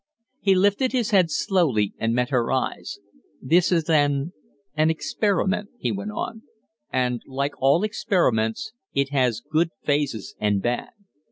He lifted his head slowly and met her eyes. "This is an an experiment," he went on. "And, like all experiments, it has good phases and bad.